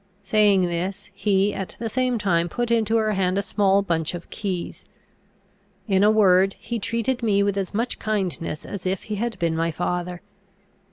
Saying this, he at the same time put into her hand a small bunch of keys. In a word, he treated me with as much kindness as if he had been my father.